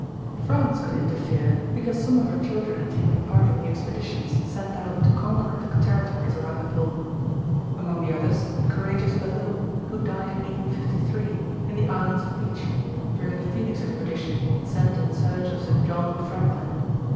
France could interfere because some of her children had taken part in the expeditions sent out to conquer the territories around the pole. Among the others the courageous Bellot, who died in 1853, in the islands of Beechey, during the Phoenix Expedition sent in search of Sir John Franklin.